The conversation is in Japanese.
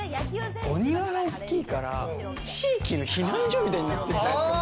お庭が大きいから地域の避難所みたいになってるんじゃないですか？